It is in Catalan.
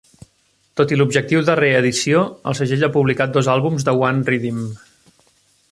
Tot i l'objectiu de reedició, el segell ha publicat dos àlbums de One-Riddim.